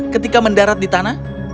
ketika mendarat di tanah